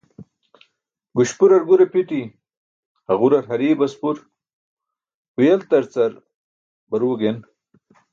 Guśpurar gure phiṭi, haġurar hariye baspur, huyeltarcar barue gen/tʰoti